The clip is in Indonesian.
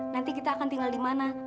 nanti kita akan tinggal dimana